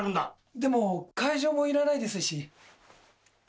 でも会場もいらないですし。